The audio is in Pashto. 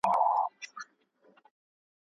څېړونکي به د موضوع مخینه وڅېړي.